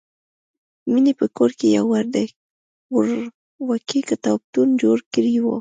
مینې په کور کې یو وړوکی کتابتون جوړ کړی و